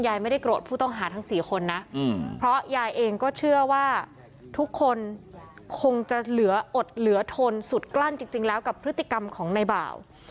ไม่ได้โกรธผู้ต้องหาทั้ง๔คนนะเพราะยายเองก็เชื่อว่าทุกคนคงจะเหลืออดเหลือทนสุดกลั้นจริงแล้วกับพฤติกรรมของในบ่าว